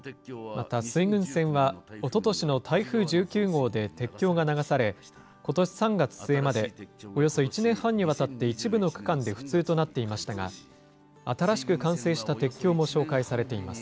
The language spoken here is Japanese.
また水郡線はおととしの台風１９号で鉄橋が流され、ことし３月末まで、およそ１年半にわたって一部の区間で不通となっていましたが、新しく完成した鉄橋も紹介されています。